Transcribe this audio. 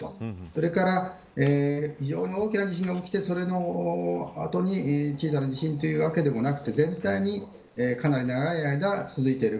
それから非常に大きな地震が起きてそれの後に小さな地震というわけでもなくて全体にかなり長い間続いている。